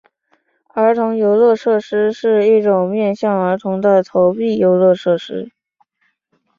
儿童游乐设施是一种面向儿童的投币游乐设施。